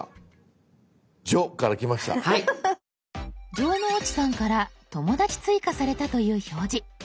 城之内さんから友だち追加されたという表示。